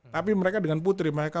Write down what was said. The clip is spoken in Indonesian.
tapi mereka dengan putri mereka